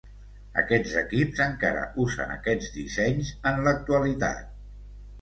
Aquests equips encara usen aquests dissenys en l'actualitat.